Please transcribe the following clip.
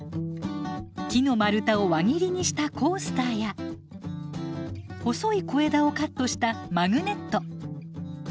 木の丸太を輪切りにしたコースターや細い小枝をカットしたマグネット。